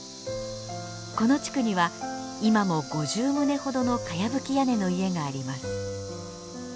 この地区には今も５０棟ほどのかやぶき屋根の家があります。